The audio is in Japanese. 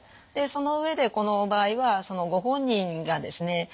でその上でこの場合はそのご本人がですね